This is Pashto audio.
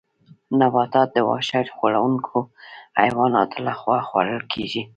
نباتات د واښه خوړونکو حیواناتو لخوا خوړل کیږي